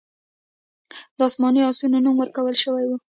د اسماني آسونو نوم ورکړل شوی و